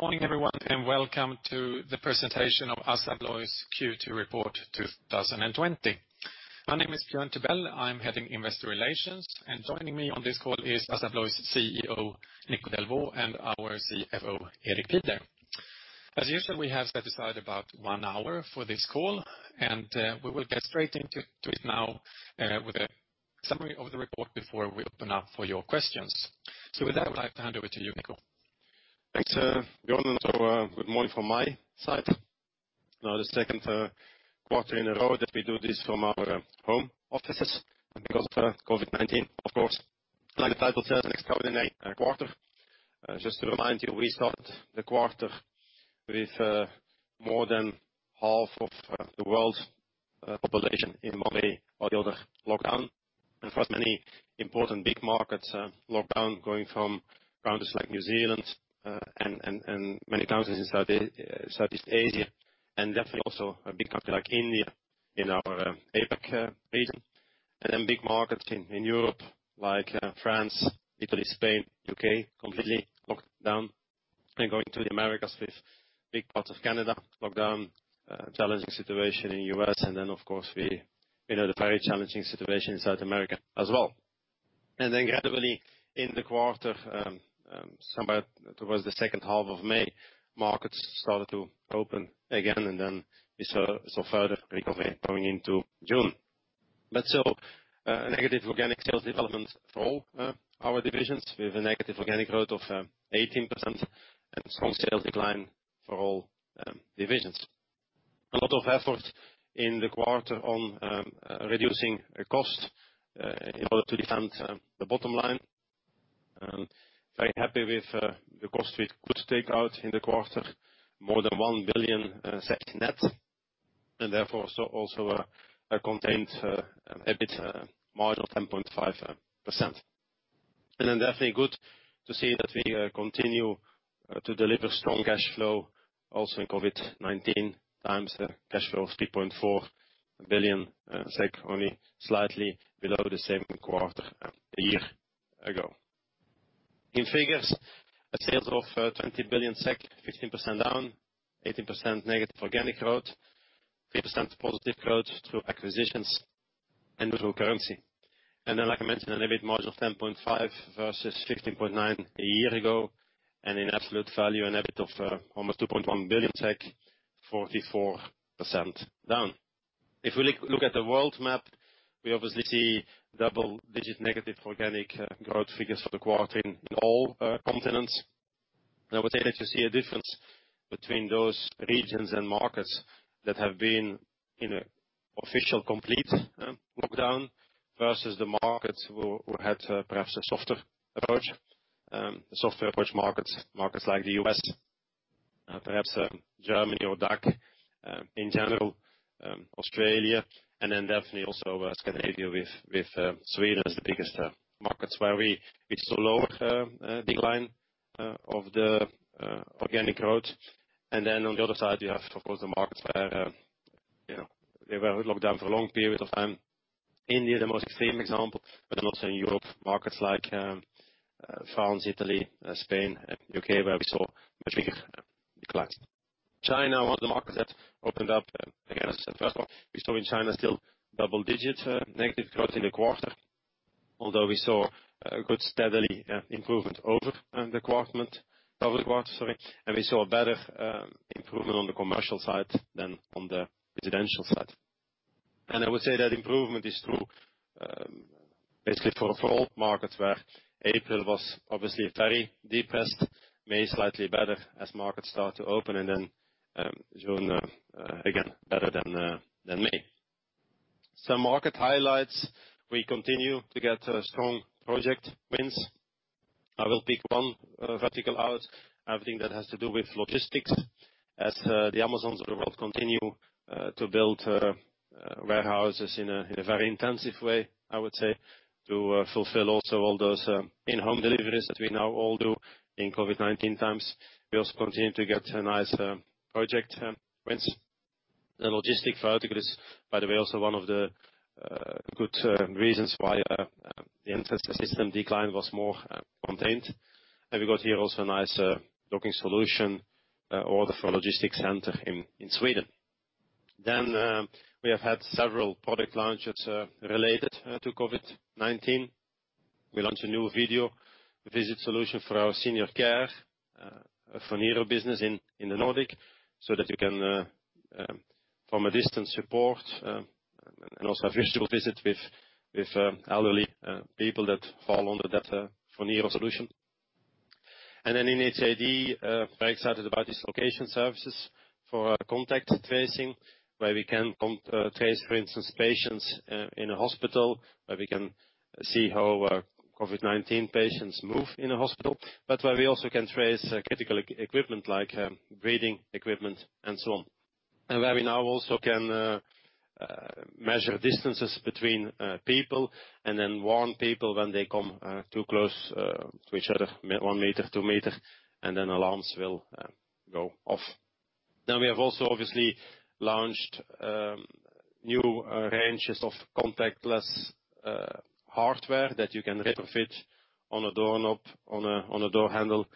Welcome everyone to the presentation of Assa Abloy's Q2 report 2020. My name is Björn Tibell. I am heading Investor Relations. Joining me on this call is Assa Abloy's CEO, Nico Delvaux, and our CFO, Erik Pieder. As usual, we have set aside about one hour for this call. We will get straight into it now with a summary of the report before we open up for your questions. With that, I would like to hand over to you, Nico. Thanks, Björn. Also good morning from my side. Now the second quarter in a row that we do this from our home offices because of COVID-19, of course. Like the title says, an extraordinary quarter. Just to remind you, we started the quarter with more than half of the world's population in one way or the other locked down. For us, many important big markets locked down, going from countries like New Zealand, and many countries in Southeast Asia, and definitely also a big country like India in our APAC region. Then big markets in Europe, like France, Italy, Spain, U.K., completely locked down. Going to the Americas, with big parts of Canada locked down. A challenging situation in U.S., and then of course we know the very challenging situation in South America as well. Gradually in the quarter, somewhere towards the second half of May, markets started to open again, we saw further recovery going into June. Still, negative organic sales development for all our divisions, with a negative organic growth of 18% and strong sales decline for all divisions. A lot of effort in the quarter on reducing cost in order to defend the bottom line. Very happy with the cost we could take out in the quarter, more than 1 billion net, and therefore also a contained EBIT margin of 10.5%. Definitely good to see that we continue to deliver strong cash flow also in COVID-19 times, a cash flow of 3.4 billion SEK, only slightly below the same quarter a year ago. In figures, sales of 20 billion SEK, 15% down, 18% negative organic growth, 3% positive growth through acquisitions and through currency. Then, like I mentioned, an EBIT margin of 10.5% versus 15.9% a year ago, and in absolute value, an EBIT of almost 2.1 billion, 44% down. If we look at the world map, we obviously see double-digit negative organic growth figures for the quarter in all continents. I would say that you see a difference between those regions and markets that have been in an official complete lockdown versus the markets who had perhaps a softer approach. Softer approach markets like the U.S., perhaps Germany or DACH in general, Australia, then definitely also Scandinavia with Sweden as the biggest markets where we saw lower decline of the organic growth. Then on the other side, you have, of course, the markets where they were locked down for a long period of time. India, the most extreme example, also in Europe, markets like France, Italy, Spain, U.K., where we saw much bigger declines. China, one of the markets that opened up again as the first one. We saw in China still double-digit negative growth in the quarter, although we saw a good, steady improvement over the past quarter, and we saw a better improvement on the commercial side than on the residential side. I would say that improvement is true basically for all markets where April was obviously very depressed, May slightly better as markets started to open, and then June, again, better than May. Some market highlights. We continue to get strong project wins. I will pick one vertical out, everything that has to do with logistics. As the Amazons of the world continue to build warehouses in a very intensive way, I would say, to fulfill also all those in-home deliveries that we now all do in COVID-19 times, we also continue to get nice project wins. The logistic vertical is, by the way, also one of the good reasons why the Entrance Systems decline was more contained. We got here also a nice docking solution order for a logistics center in Sweden. We have had several product launches related to COVID-19. We launched a new video visit solution for our senior care Phoniro business in the Nordic, so that you can from a distance support and also have virtual visits with elderly people that fall under that Phoniro solution. In HID, very excited about these location services for contact tracing where we can trace, for instance, patients in a hospital, where we can see how COVID-19 patients move in a hospital, but where we also can trace critical equipment like breathing equipment and so on. Where we now also can measure distances between people and then warn people when they come too close to each other, 1 meter, 2 meters, and then alarms will go off. We have also obviously launched new ranges of contactless hardware that you can retrofit on a doorknob, on a door handle,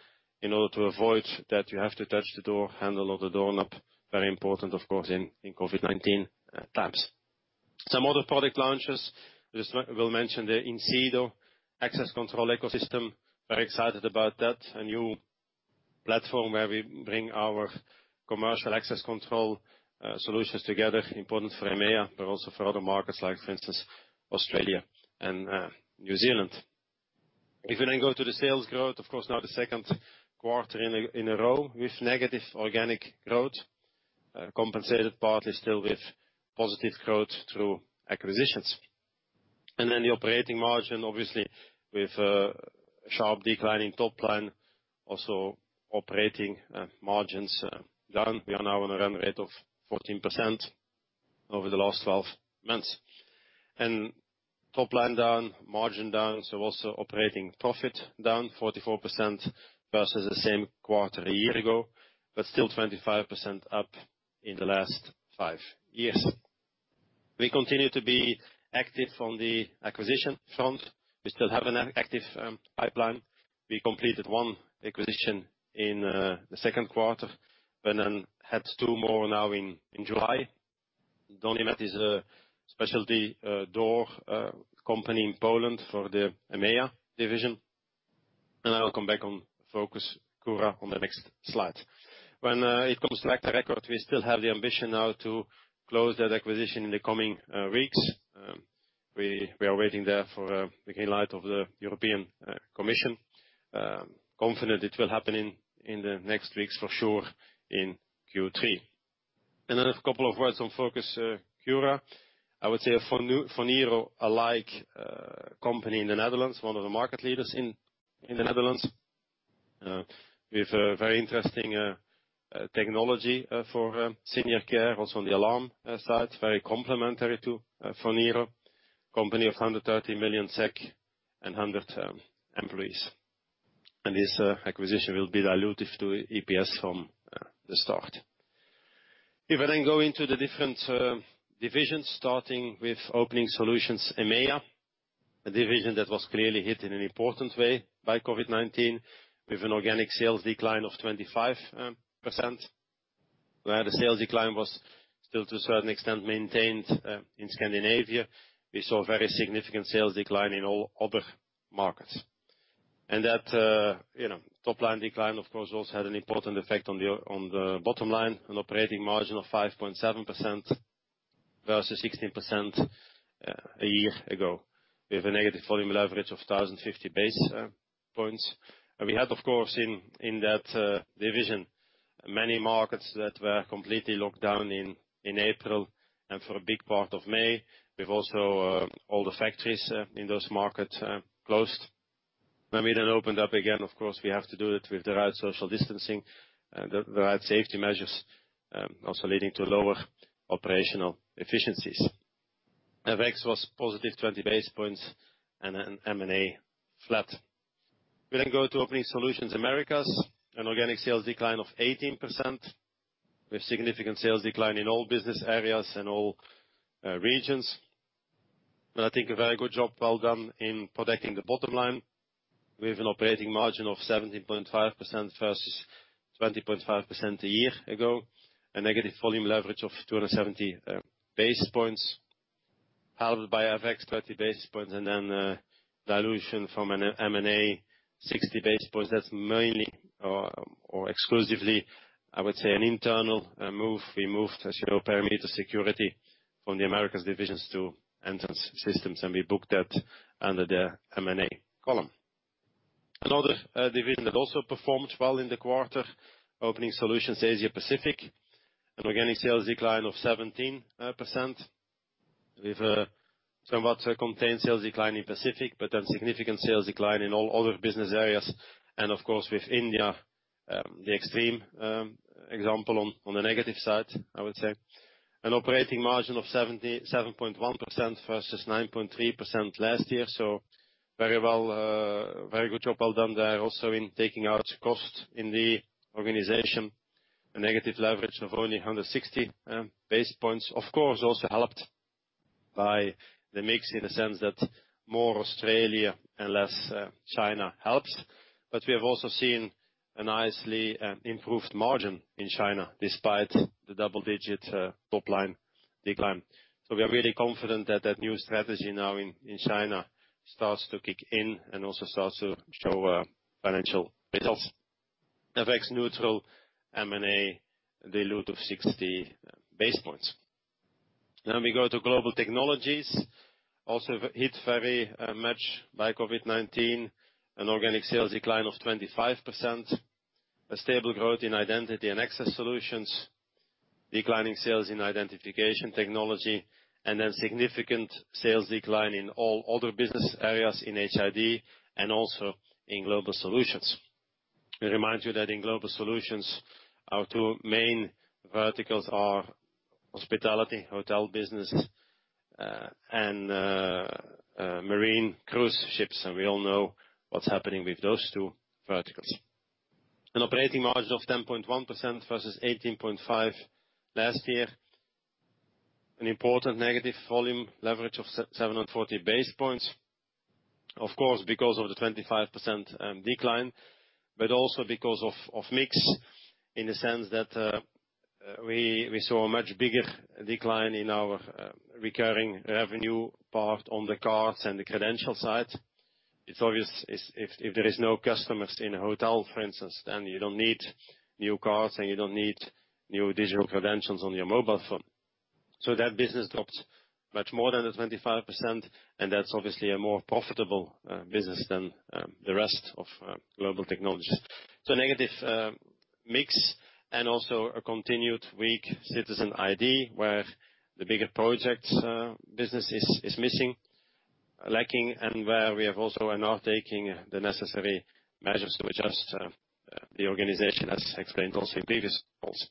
in order to avoid that you have to touch the door handle or the doorknob. Very important, of course, in COVID-19 times. Some other product launches. Just will mention the Incedo access control ecosystem. Very excited about that. A new platform where we bring our commercial access control solutions together. Important for EMEIA, but also for other markets like, for instance, Australia and New Zealand. If we go to the sales growth, of course, now the second quarter in a row with negative organic growth, compensated partly still with positive growth through acquisitions. The operating margin, obviously, with a sharp decline in top line, also operating margins down. We are now on a run rate of 14% over the last 12 months. Top line down, margin down, also operating profit down 44% versus the same quarter a year ago, still 25% up in the last five years. We continue to be active on the acquisition front. We still have an active pipeline. We completed one acquisition in the second quarter, had two more now in July. Donimet is a specialty door company in Poland for the EMEA division. I will come back on FocusCura on the next slide. When it comes to agta record, we still have the ambition now to close that acquisition in the coming weeks. We are waiting there for the green light of the European Commission. Confident it will happen in the next weeks for sure in Q3. Another couple of words on FocusCura. I would say Phoniro-alike company in the Netherlands, one of the market leaders in the Netherlands, with a very interesting technology for senior care, also on the alarm side. Very complementary to Phoniro. Company of 130 million SEK and 100 employees. This acquisition will be dilutive to EPS from the start. I then go into the different divisions, starting with Opening Solutions EMEIA, a division that was clearly hit in an important way by COVID-19, with an organic sales decline of 25%, where the sales decline was still to a certain extent maintained in Scandinavia. We saw a very significant sales decline in all other markets. That top line decline, of course, also had an important effect on the bottom line, an operating margin of 5.7% versus 16% a year ago. We have a negative volume leverage of 1,050 basis points. We had, of course, in that division, many markets that were completely locked down in April and for a big part of May. We've also, all the factories in those markets closed. When we opened up again, of course, we have to do it with the right social distancing, the right safety measures, also leading to lower operational efficiencies. FX was positive 20 basis points and M&A flat. We go to Opening Solutions Americas, an organic sales decline of 18% with significant sales decline in all business areas and all regions. I think a very good job well done in protecting the bottom line with an operating margin of 17.5% versus 20.5% a year ago. A negative volume leverage of 270 basis points, halved by FX 30 basis points and then dilution from an M&A 60 basis points. That's mainly or exclusively, I would say, an internal move. We moved Perimeter Security from the Americas divisions to Entrance Systems, and we booked that under the M&A column. Another division that also performed well in the quarter, Opening Solutions Asia Pacific, an organic sales decline of 17% with a somewhat contained sales decline in Pacific, but a significant sales decline in all other business areas. Of course, with India, the extreme example on the negative side, I would say. An operating margin of 7.1% versus 9.3% last year. Very good job well done there also in taking out cost in the organization, a negative leverage of only 160 basis points. Of course, also helped by the mix in the sense that more Australia and less China helps. We have also seen a nicely improved margin in China despite the double-digit top line decline. We are really confident that that new strategy now in China starts to kick in and also starts to show financial results. FX neutral, M&A dilute of 60 basis points. We go to Global Technologies, also hit very much by COVID-19. An organic sales decline of 25%, a stable growth in identity and access solutions, declining sales in identification technology, significant sales decline in all other business areas in HID and also in Global Solutions. We remind you that in Global Solutions, our two main verticals are Hospitality, hotel business, marine cruise ships, and we all know what's happening with those two verticals. An operating margin of 10.1% versus 18.5% last year. An important negative volume leverage of 740 basis points, of course, because of the 25% decline, also because of mix in the sense that we saw a much bigger decline in our recurring revenue part on the cards and the credential side. It's obvious if there is no customers in a hotel, for instance, then you don't need new cards and you don't need new digital credentials on your mobile phone. That business dropped much more than the 25%, and that's obviously a more profitable business than the rest of Global Technologies. Negative mix and also a continued weak citizen ID, where the bigger projects business is lacking, and where we have also are now taking the necessary measures to adjust the organization, as explained also in previous calls.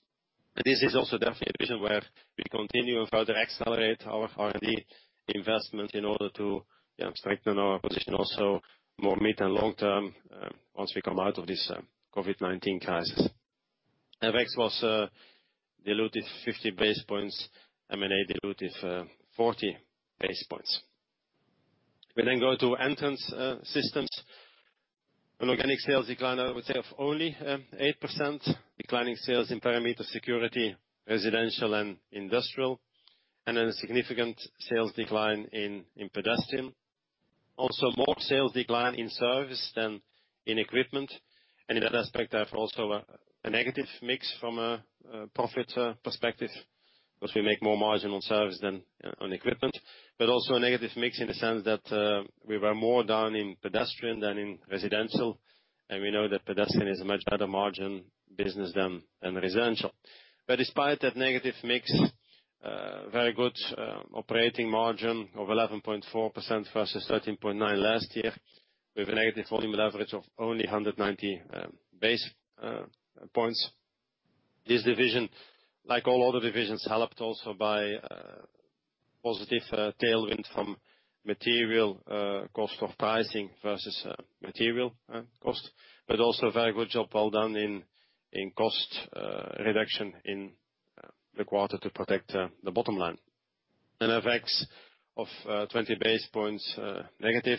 This is also definitely a division where we continue and further accelerate our R&D investment in order to strengthen our position also more mid and long term, once we come out of this COVID-19 crisis. FX was diluted 50 basis points, M&A diluted 40 basis points. We go to Entrance Systems. An organic sales decline, I would say, of only 8%, declining sales in perimeter security, residential and industrial, a significant sales decline in pedestrian. Also more sales decline in service than in equipment. In that aspect, also a negative mix from a profit perspective, because we make more margin on service than on equipment. Also a negative mix in the sense that we were more down in pedestrian than in residential, and we know that pedestrian is a much better margin business than residential. Despite that negative mix, very good operating margin of 11.4% versus 13.9% last year, with a negative volume leverage of only 190 basis points. This division, like all other divisions, helped also by a positive tailwind from material cost of pricing versus material cost, but also a very good job well done in cost reduction in the quarter to protect the bottom line. FX of 20 basis points negative,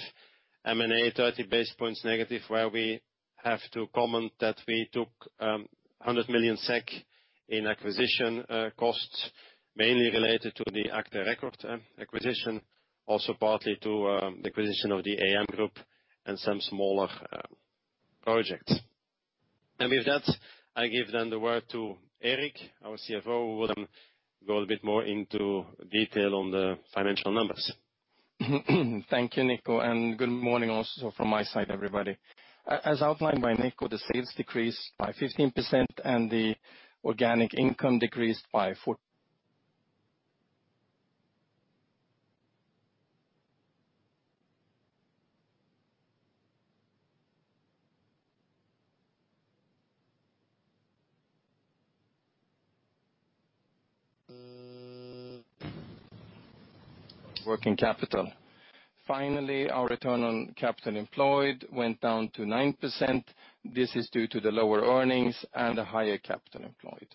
M&A 30 basis points negative, where we have to comment that we took 100 million SEK in acquisition costs, mainly related to the agta record acquisition, also partly to the acquisition of the AM Group and some smaller projects. With that, I give then the word to Erik, our CFO, who will go a bit more into detail on the financial numbers. Thank you, Nico, and good morning also from my side, everybody. As outlined by Nico, the sales decreased by 15% and the organic income decreased by 44% [inaudible] Working capital. Finally, our return on capital employed went down to 9%. This is due to the lower earnings and the higher capital employed.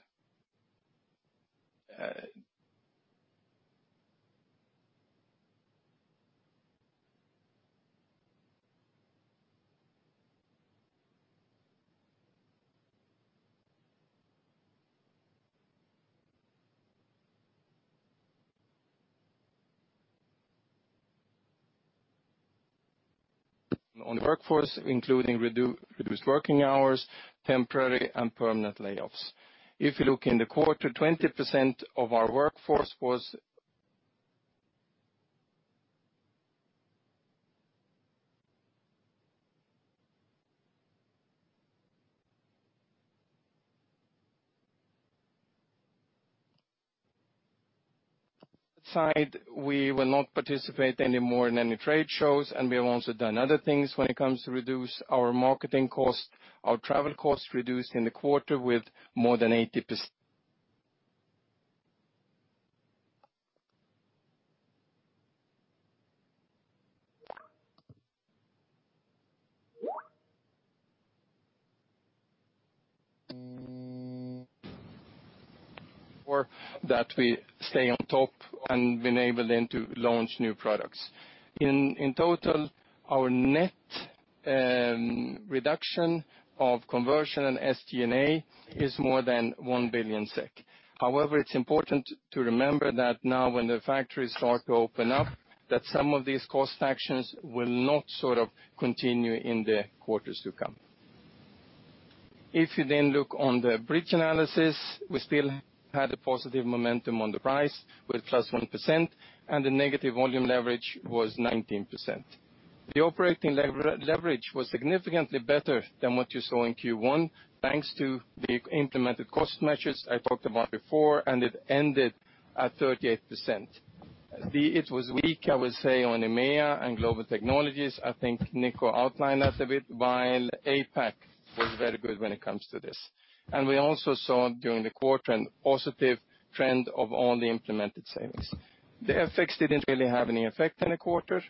On workforce, including reduced working hours, temporary and permanent layoffs. If you look in the quarter, 20% of our workforce was [inaudible] side, we will not participate anymore in any trade shows, and we have also done other things when it comes to reduce our marketing costs. Our travel costs reduced in the quarter with more than 80% that we stay on top and been able then to launch new products. In total, our net reduction of conversion and SG&A is more than 1 billion. However, it's important to remember that now when the factories start to open up, that some of these cost actions will not sort of continue in the quarters to come. If you look on the bridge analysis, we still had a positive momentum on the price with +1%, and the negative volume leverage was 19%. The operating leverage was significantly better than what you saw in Q1, thanks to the implemented cost measures I talked about before, and it ended at 38%. It was weak, I would say, on EMEIA and Global Technologies. I think Nico outlined that a bit, while APAC was very good when it comes to this. We also saw during the quarter a positive trend of all the implemented savings. The FX didn't really have any effect in the quarter.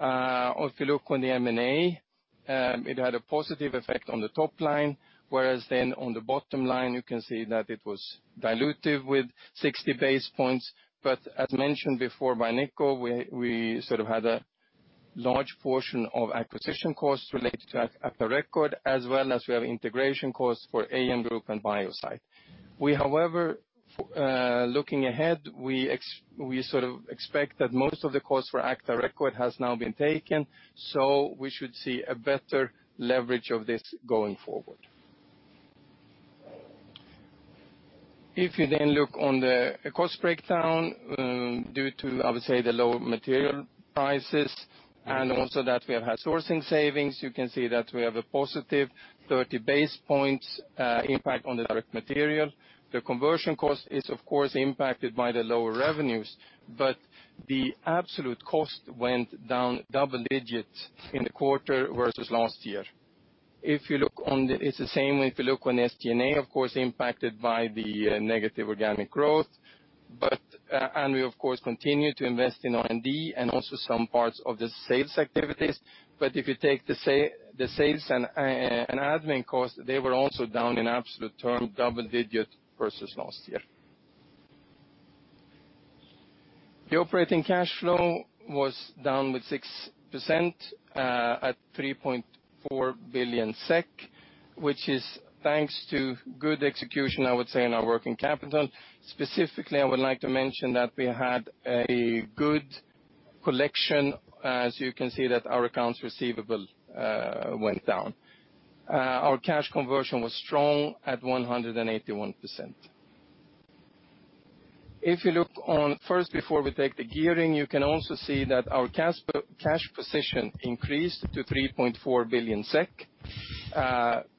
If you look on the M&A, it had a positive effect on the top line, whereas then on the bottom line, you can see that it was dilutive with 60 basis points. As mentioned before by Nico, we had a large portion of acquisition costs related to agta record, as well as we have integration costs for AM Group and Biosite. However, looking ahead, we expect that most of the cost for agta record has now been taken, so we should see a better leverage of this going forward. If you then look on the cost breakdown, due to, I would say, the low material prices, and also that we have had sourcing savings, you can see that we have a positive 30 basis points impact on the direct material. The conversion cost is, of course, impacted by the lower revenues, but the absolute cost went down double digits in the quarter versus last year. It's the same if you look on SG&A, of course, impacted by the negative organic growth. We, of course, continue to invest in R&D and also some parts of the sales activities. If you take the sales and admin costs, they were also down in absolute term double digits versus last year. The operating cash flow was down with 6% at 3.4 billion SEK, which is thanks to good execution, I would say, in our working capital. Specifically, I would like to mention that we had a good collection, as you can see that our accounts receivable went down. Our cash conversion was strong at 181%. First, before we take the gearing, you can also see that our cash position increased to 3.4 billion SEK.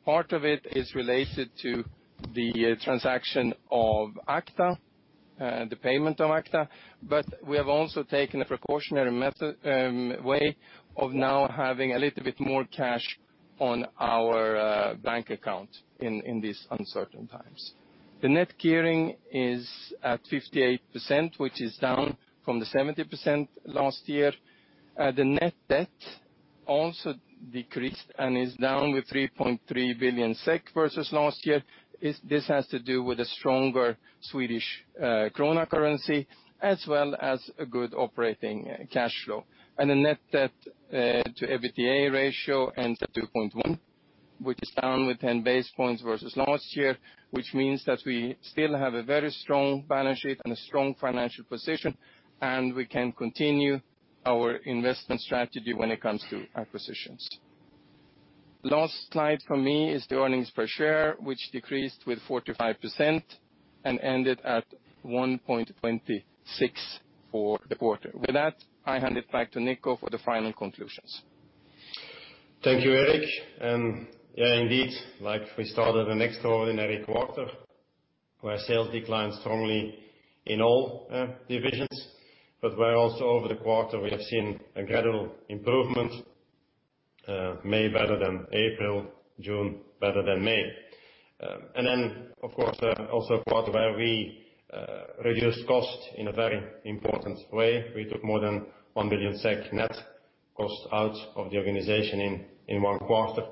Part of it is related to the transaction of Agta, the payment of Agta, but we have also taken a precautionary way of now having a little bit more cash on our bank account in these uncertain times. The net gearing is at 58%, which is down from the 70% last year. The net debt also decreased and is down with 3.3 billion SEK versus last year. This has to do with a stronger Swedish krona currency, as well as a good operating cash flow. The net debt to EBITDA ratio ends at 2.1, which is down with 10 basis points versus last year, which means that we still have a very strong balance sheet and a strong financial position, and we can continue our investment strategy when it comes to acquisitions. Last slide from me is the earnings per share, which decreased with 45% and ended at 1.26 for the quarter. With that, I hand it back to Nico for the final conclusions. Thank you, Erik. Indeed, like we started, an extraordinary quarter where sales declined strongly in all divisions, but where also over the quarter, we have seen a gradual improvement. May better than April, June better than May. Of course, also a quarter where we reduced cost in a very important way. We took more than 1 billion SEK net cost out of the organization in one quarter.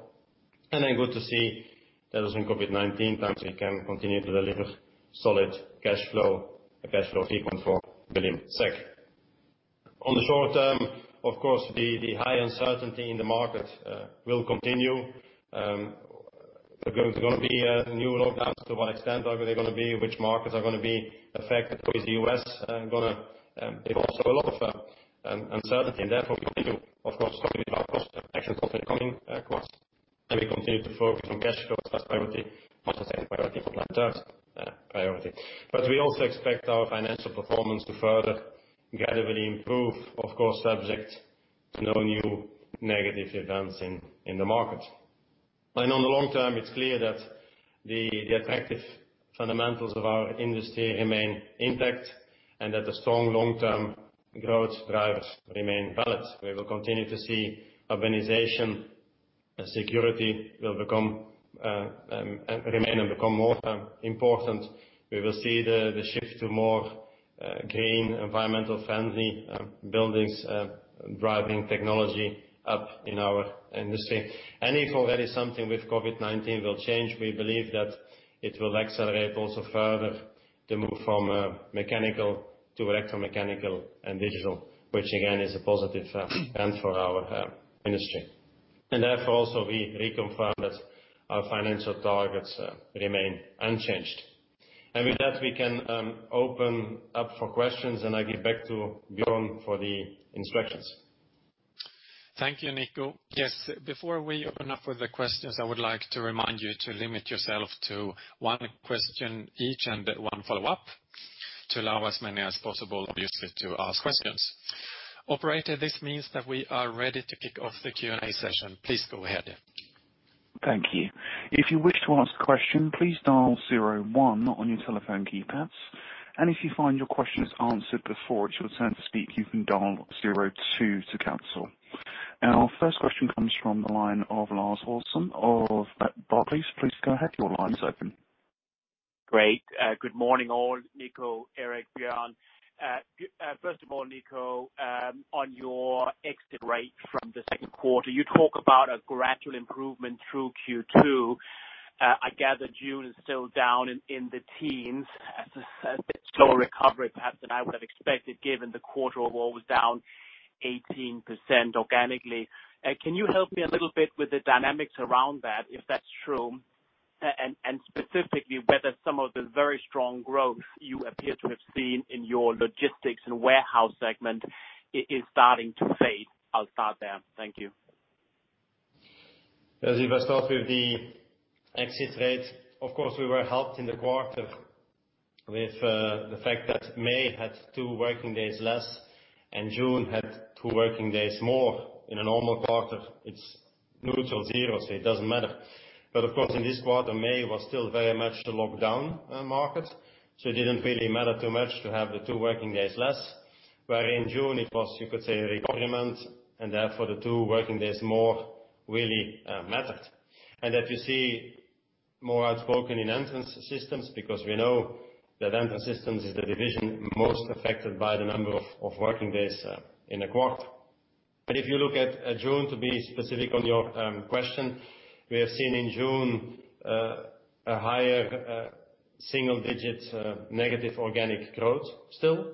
Good to see that in COVID-19 times, we can continue to deliver solid cash flow, a cash flow free 3 billion SEK. On the short term, of course, the high uncertainty in the market will continue. There's going to be new lockdowns, to what extent are they going to be? Which markets are going to be affected? How is the U.S. going to evolve? A lot of uncertainty. Therefore, we continue, of course, talking about cost actions over the coming quarters. We continue to focus on cash flow as first priority, not as a priority, but like third priority. We also expect our financial performance to further gradually improve, of course, subject to no new negative events in the market. On the long term, it's clear that the attractive fundamentals of our industry remain intact and that the strong long-term growth drivers remain valid. We will continue to see urbanization and security will remain and become more important. We will see the shift to more green, environmental friendly buildings driving technology up in our industry. If already something with COVID-19 will change, we believe that it will accelerate also further the move from mechanical to electromechanical and digital, which again is a positive trend for our industry. Therefore, also we reconfirm that our financial targets remain unchanged. With that, we can open up for questions and I give back to Björn for the instructions. Thank you, Nico. Before we open up with the questions, I would like to remind you to limit yourself to one question each and one follow-up to allow as many as possible, obviously, to ask questions. Operator, this means that we are ready to kick off the Q&A session. Please go ahead. Thank you. If you wish to ask a question, please dial zero one on your telephone keypads, and if you find your question is answered before it's your turn to speak, you can dial zero two to cancel. Our first question comes from the line of Lars Brorson of Barclays. Please go ahead. Your line's open. Great. Good morning, all. Nico, Erik, Björn. First of all, Nico, on your exit rate from the second quarter, you talk about a gradual improvement through Q2. I gather June is still down in the teens. A bit slower recovery perhaps than I would've expected given the quarter overall was down 18% organically. Can you help me a little bit with the dynamics around that, if that's true, and specifically whether some of the very strong growth you appear to have seen in your logistics and warehouse segment is starting to fade? I'll start there. Thank you. As we start off with the exit rates, of course, we were helped in the quarter with the fact that May had two working days less and June had two working days more. In a normal quarter, it's neutral, zero. It doesn't matter. Of course, in this quarter, May was still very much the lockdown market, so it didn't really matter too much to have the two working days less, where in June it was, you could say, recovery month, and therefore the two working days more really mattered. That you see more outspoken in Entrance Systems because we know that Entrance Systems is the division most affected by the number of working days in a quarter. If you look at June, to be specific on your question, we have seen in June a higher single-digit negative organic growth still.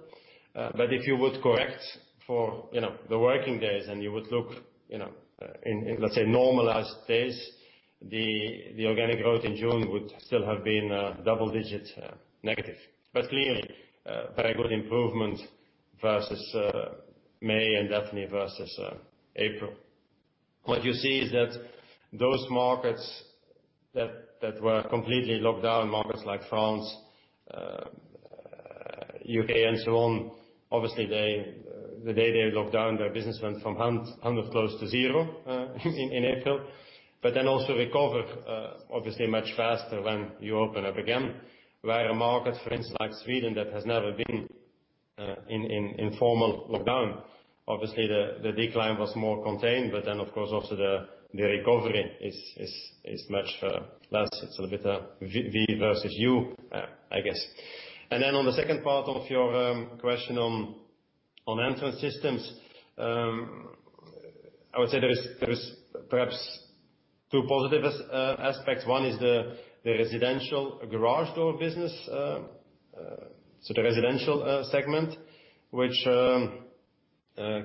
If you would correct for the working days and you would look in, let's say, normalized days, the organic growth in June would still have been double-digits negative. Clearly, very good improvement versus May and definitely versus April. What you see is that those markets that were completely locked down, markets like France, U.K., and so on, obviously the day they locked down, their business went from 100 close to 0 in April, then also recovered obviously much faster when you open up again. Where a market, for instance, like Sweden that has never been in formal lockdown, obviously the decline was more contained, then of course also the recovery is much less. It's a bit a V versus U, I guess. Then on the second part of your question on Entrance Systems, I would say there is perhaps two positive aspects. One is the residential garage door business. The residential segment, which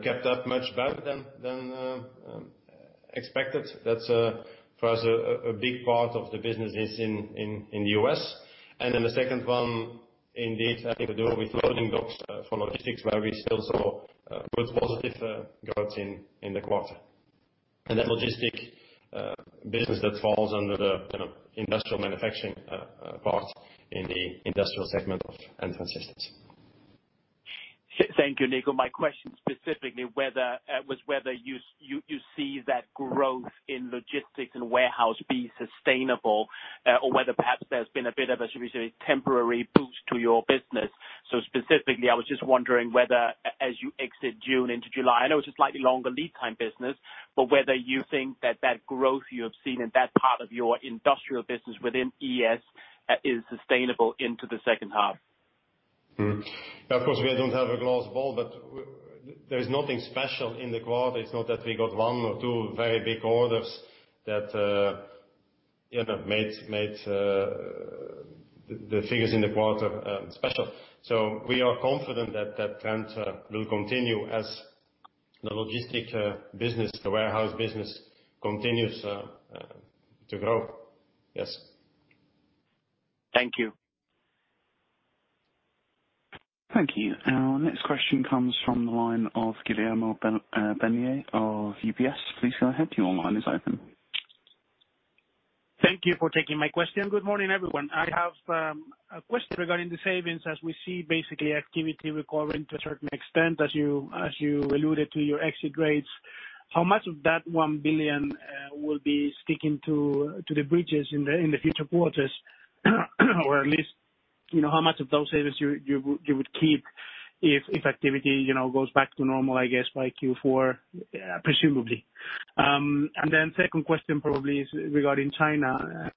kept up much better than expected. That's for us, a big part of the business is in the U.S. The second one, indeed having to do with loading docks for logistics, where we still saw good positive growth in the quarter. That logistics business that falls under the industrial manufacturing part in the industrial segment of Entrance Systems. Thank you, Nico. My question specifically was whether you see that growth in logistics and warehouse be sustainable, or whether perhaps there's been a bit of a, should we say, temporary boost to your business. Specifically, I was just wondering whether as you exit June into July, I know it's a slightly longer lead time business, but whether you think that that growth you have seen in that part of your industrial business within ES is sustainable into the second half? Of course, we don't have a glass ball. There is nothing special in the quarter. It's not that we got one or two very big orders that made the figures in the quarter special. We are confident that that trend will continue as the logistic business, the warehouse business continues to grow. Yes. Thank you. Thank you. Our next question comes from the line of Guillermo Peigneux of UBS. Please go ahead. Your line is open. Thank you for taking my question. Good morning, everyone. I have a question regarding the savings as we see basically activity recovering to a certain extent, as you alluded to your exit rates. How much of that 1 billion will be sticking to the books in the future quarters? At least, how much of those savings you would keep if activity goes back to normal, I guess, by Q4, presumably? Second question probably is regarding China.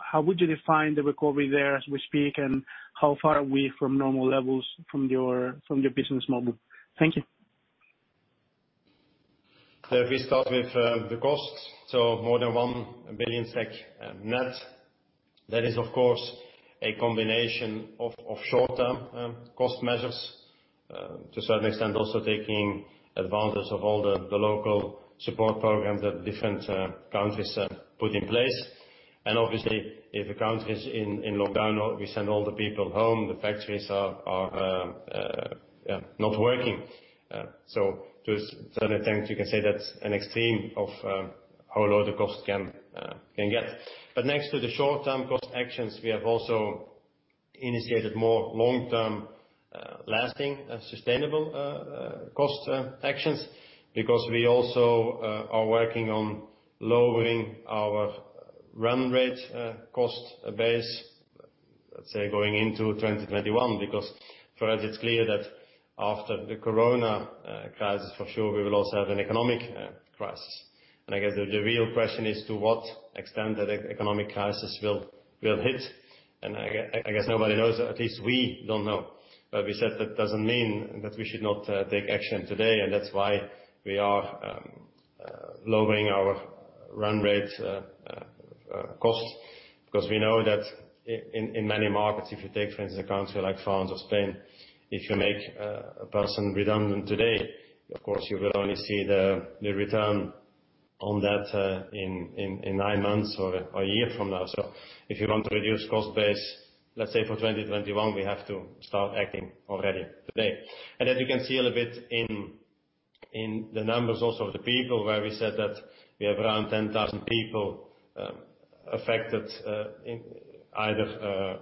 How would you define the recovery there as we speak, and how far are we from normal levels from your business model? Thank you. We start with the costs, more than 1 billion SEK net. That is, of course, a combination of short-term cost measures, to a certain extent also taking advantage of all the local support programs that different countries put in place. Obviously, if a country is in lockdown or we send all the people home, the factories are not working. To certain extent, you can say that's an extreme of how low the cost can get. Next to the short-term cost actions, we have also initiated more long-term lasting sustainable cost actions because we also are working on lowering our run rate cost base, let's say, going into 2021, because for us it's clear that after the corona crisis, for sure we will also have an economic crisis. I guess the real question is to what extent that economic crisis will hit, and I guess nobody knows. At least we don't know. We said that doesn't mean that we should not take action today, and that's why we are lowering our run-rate cost, because we know that in many markets, if you take for instance, a country like France or Spain, if you make a person redundant today, of course you will only see the return on that in nine months or one year from now. If you want to reduce cost base, let's say for 2021, we have to start acting already today. As you can see a little bit in the numbers also of the people where we said that we have around 10,000 people affected in either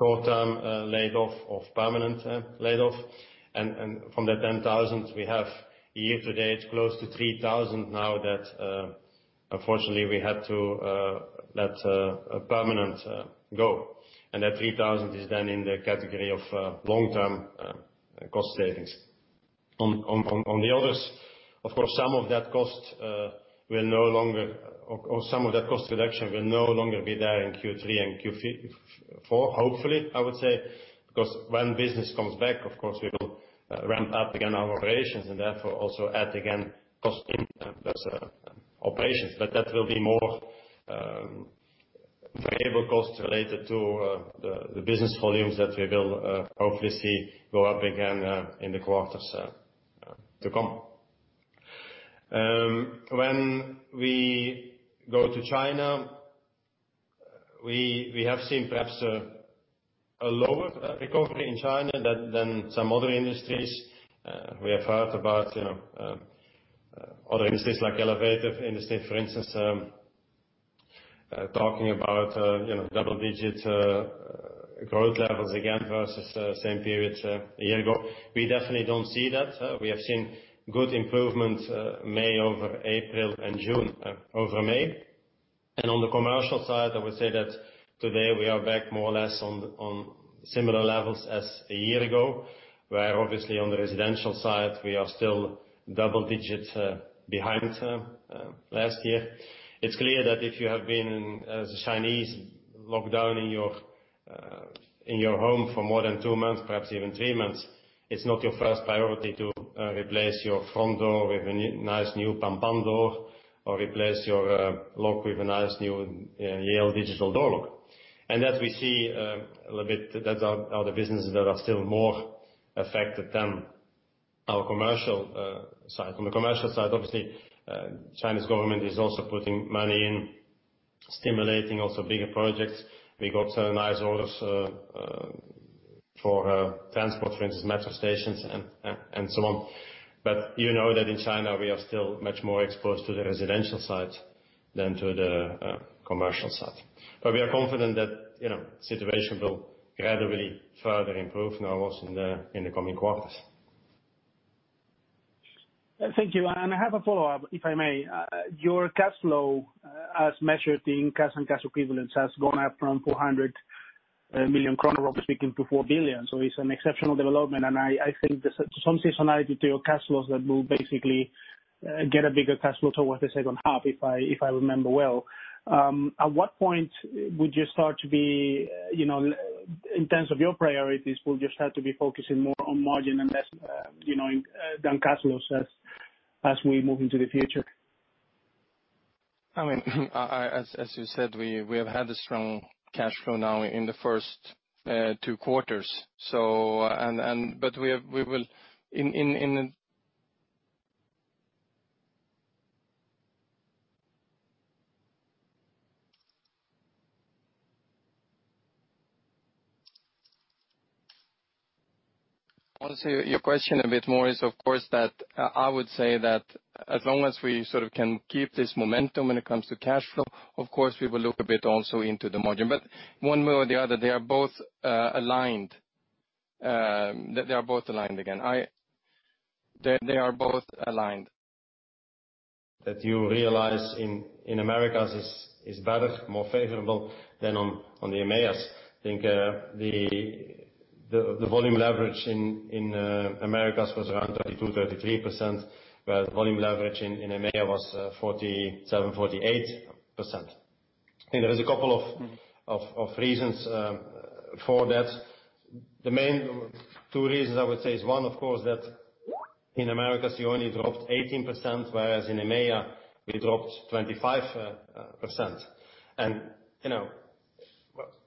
short-term laid off or permanent laid off. From that 10,000 we have year-to-date, close to 3,000 now that unfortunately we had to let a permanent go, and that 3,000 is then in the category of long-term cost savings. On the others, of course, some of that cost will no longer, or some of that cost reduction will no longer be there in Q3 and Q4, hopefully, I would say, because when business comes back, of course we will ramp up again our operations and therefore also add again cost in those operations. That will be more variable costs related to the business volumes that we will hopefully see go up again in the quarters to come. When we go to China, we have seen perhaps a lower recovery in China than some other industries. We have heard about other industries like elevator industry, for instance, talking about double-digit growth levels again versus same period a year ago. We definitely don't see that. We have seen good improvement May over April and June over May. On the commercial side, I would say that today we are back more or less on similar levels as a year ago, where obviously on the residential side we are still double digits behind last year. It's clear that if you have been as a Chinese lockdown in your home for more than two months, perhaps even three months, it's not your first priority to replace your front door with a nice new PANPAN door or replace your lock with a nice new Yale digital door lock. That we see a little bit, that are the businesses that are still more affected than our commercial side. On the commercial side, obviously, Chinese government is also putting money in stimulating also bigger projects. We got some nice orders for transport, for instance, metro stations and so on. You know that in China we are still much more exposed to the residential side than to the commercial side. We are confident that situation will gradually further improve now also in the coming quarters. Thank you. I have a follow-up, if I may. Your cash flow as measured in cash and cash equivalents has gone up from 400 million kronor, roughly speaking, to 4 billion. It's an exceptional development, and I think there's some seasonality to your cash flows that will basically get a bigger cash flow towards the second half, if I remember well. At what point would you start to be, in terms of your priorities, will you start to be focusing more on margin and less than cash flows as we move into the future? As you said, we have had a strong cash flow now in the first two quarters. To your question a bit more is, of course, that I would say that as long as we can keep this momentum when it comes to cash flow, of course we will look a bit also into the margin. One way or the other, they are both aligned again. They are both aligned. That you realize in Americas is better, more favorable than on the EMEIA. I think the volume leverage in Americas was around 32%-33%, where the volume leverage in EMEIA was 47%-48%. There is a couple of reasons for that. The main two reasons I would say is one, of course, that in Americas you only dropped 18%, whereas in EMEIA we dropped 25%.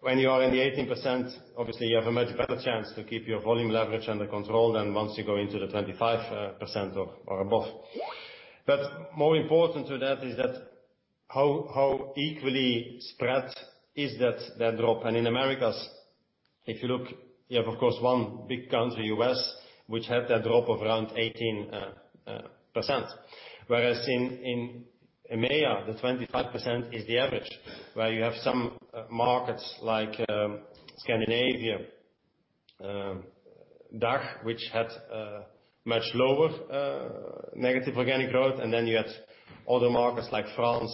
When you are in the 18%, obviously you have a much better chance to keep your volume leverage under control than once you go into the 25% or above. More important to that is that how equally spread is that drop? In Americas, you have, of course, one big country, U.S., which had that drop of around 18%, whereas in EMEA, the 25% is the average, where you have some markets like Scandinavia, DACH, which had much lower negative organic growth. You had other markets like France,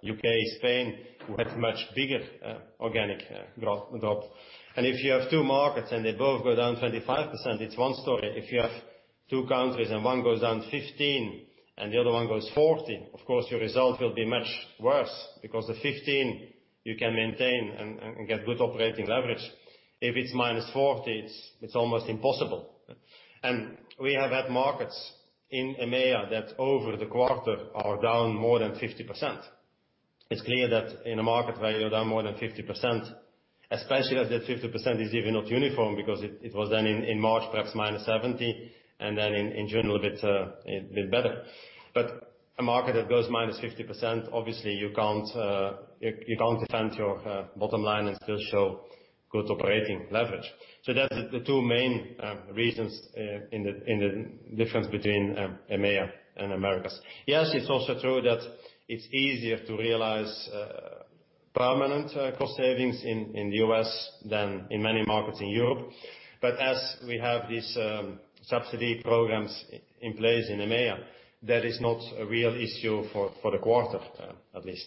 U.K., Spain, who had much bigger organic growth. If you have two markets and they both go down 25%, it's one story. If you have two countries and one goes down 15% and the other one goes 40%, of course your result will be much worse because the 15% you can maintain and get good operating leverage. If it's minus 40%, it's almost impossible. We have had markets in EMEA that over the quarter are down more than 50%. It's clear that in a market where you're down more than 50%, especially that 50% is even not uniform because it was then in March, perhaps minus 70%, and then in June a little bit better. A market that goes minus 50%, obviously you can't defend your bottom line and still show good operating leverage. That's the two main reasons in the difference between EMEA and Americas. Yes, it's also true that it's easier to realize permanent cost savings in the U.S. than in many markets in Europe. As we have these subsidy programs in place in EMEA, that is not a real issue for the quarter, at least.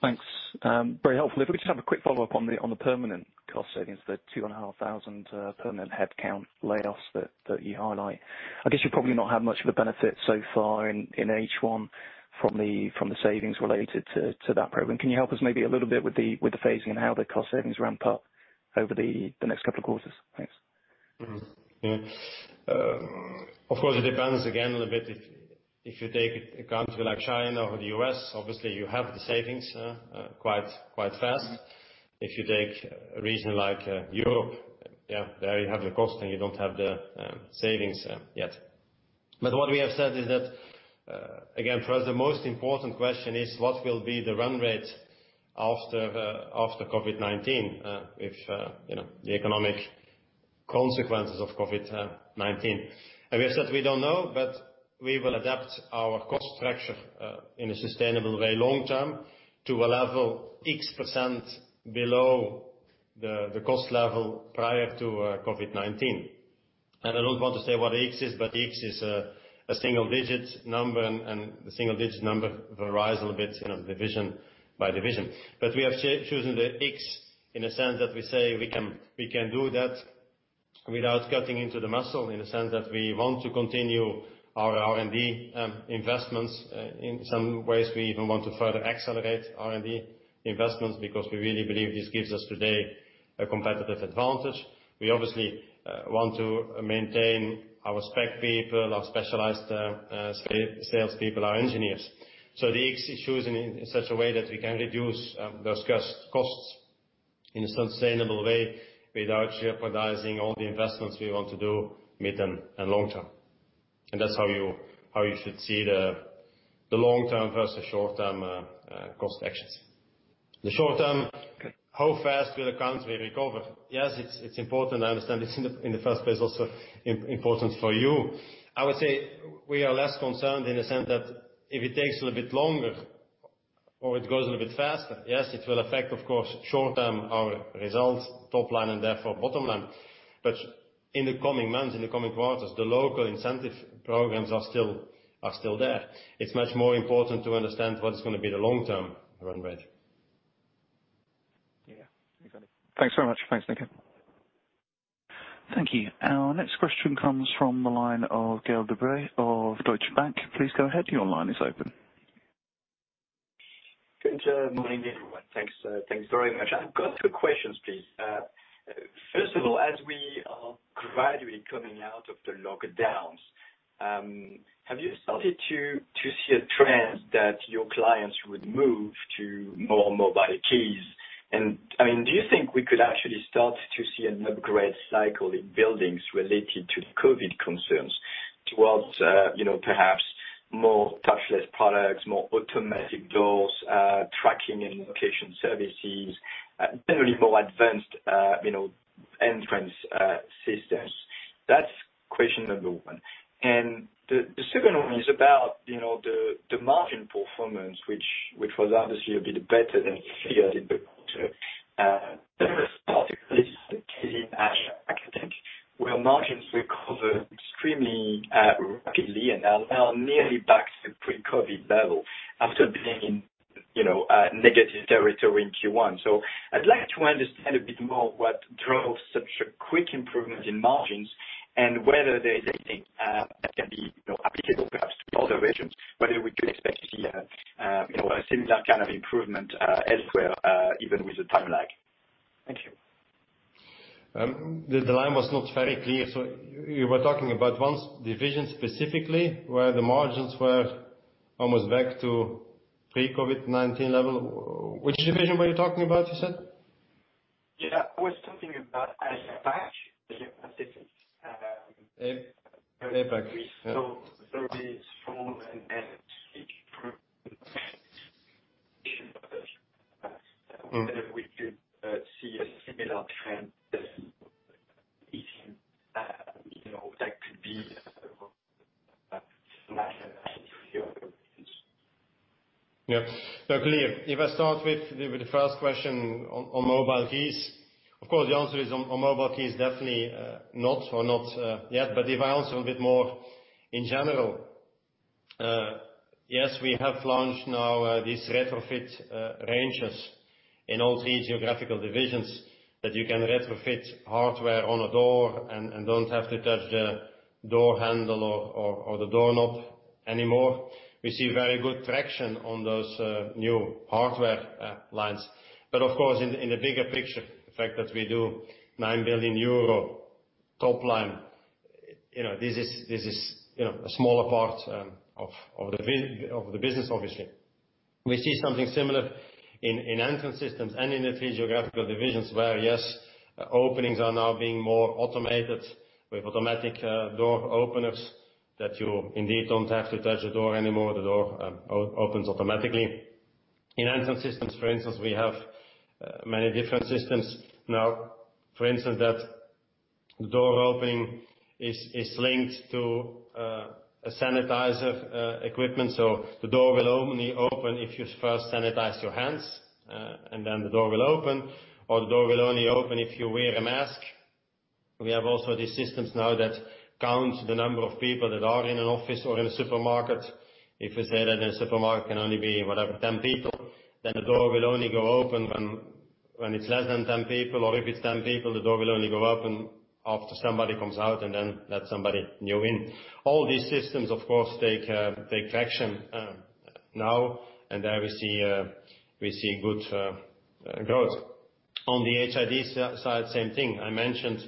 Thanks. Very helpful. We could just have a quick follow-up on the permanent cost savings, the 2,500 permanent headcount layoffs that you highlight. I guess you probably not have much of a benefit so far in H1 from the savings related to that program. Can you help us maybe a little bit with the phasing and how the cost savings ramp up over the next couple of quarters? Thanks. Of course, it depends again a little bit. If you take a country like China or the U.S., obviously you have the savings quite fast. If you take a region like Europe, there you have the cost and you don't have the savings yet. What we have said is that, again, for us the most important question is what will be the run rate after COVID-19, with the economic consequences of COVID-19. We have said we don't know, but we will adapt our cost structure in a sustainable way long term to a level X% below the cost level prior to COVID-19. I don't want to say what X is, but X is a single-digit number, and the single-digit number varies a little bit division by division. We have chosen the X in a sense that we say we can do that without cutting into the muscle, in the sense that we want to continue our R&D investments. In some ways, we even want to further accelerate R&D investments because we really believe this gives us today a competitive advantage. We obviously want to maintain our spec people, our specialized salespeople, our engineers. The X is chosen in such a way that we can reduce those costs in a sustainable way without jeopardizing all the investments we want to do mid-term and long term. That's how you should see the long-term versus short-term cost actions. The short term, how fast will the country recover? Yes, it's important. I understand it's in the first place also important for you. I would say we are less concerned in the sense that if it takes a little bit longer or it goes a little bit faster, yes, it will affect, of course, short term, our results top line and therefore bottom line. In the coming months, in the coming quarters, the local incentive programs are still there. It's much more important to understand what is going to be the long-term run rate. Yeah. Exactly. Thanks very much. Thanks, Nico. Thank you. Our next question comes from the line of Gael de-Bray of Deutsche Bank. Please go ahead, your line is open. Good morning, everyone. Thanks very much. I have got two questions, please. First of all, as we are gradually coming out of the lockdowns, have you started to see a trend that your clients would move to more mobile keys? Do you think we could actually start to see an upgrade cycle in buildings related to the COVID-19 concerns towards perhaps more touchless products, more automatic doors, tracking and location services, generally more advanced Entrance Systems? That is question number one. The second one is about the margin performance, which was obviously a bit better than feared in the quarter. First off, this is the case in Asia, I think, where margins recovered extremely rapidly and are now nearly back to pre-COVID-19 level after being in negative territory in Q1. I'd like to understand a bit more what drove such a quick improvement in margins and whether there is anything that can be applicable perhaps to other regions, whether we could expect to see a similar kind of improvement elsewhere, even with the time lag. Thank you. The line was not very clear. You were talking about 1 division specifically, where the margins were almost back to pre-COVID-19 level. Which division were you talking about, you said? Yeah, I was talking about APAC, the Asia-Pacific. APAC. We saw very strong and quick improvement. Clear. If I start with the first question on mobile keys, of course, the answer is on mobile keys definitely not or not yet. If I answer a bit more in general, yes, we have launched now this retrofit ranges in all three geographical divisions that you can retrofit hardware on a door and don't have to touch the door handle or the doorknob anymore. We see very good traction on those new hardware lines. Of course, in the bigger picture, the fact that we do €9 billion top line, this is a smaller part of the business, obviously. We see something similar in Entrance Systems and in the three geographical divisions where, yes, openings are now being more automated with automatic door openers that you indeed don't have to touch a door anymore. The door opens automatically. In Entrance Systems, for instance, we have many different systems now, for instance, that door opening is linked to a sanitizer equipment. The door will only open if you first sanitize your hands, and then the door will open, or the door will only open if you wear a mask. We have also these systems now that count the number of people that are in an office or in a supermarket. If we say that in a supermarket can only be, whatever, 10 people, then the door will only go open when it's less than 10 people, or if it's 10 people, the door will only go open after somebody comes out and then let somebody new in. All these systems, of course, take traction now, and there we see good growth. On the HID side, same thing. I mentioned